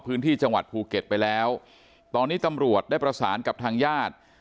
พื้นที่จังหวัดภูเก็ตไปแล้วตอนนี้ตำรวจได้ประสานกับทางญาติ